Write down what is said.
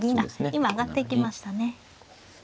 今上がっていきましたね。